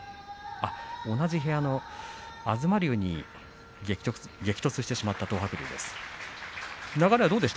同じ部屋の東龍に激突してしまった東白龍です。